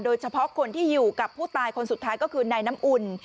โดยเฉพาะคนที่อยู่กับผู้ตายคนสุดท้ายก็คือนายน้ำอุ่น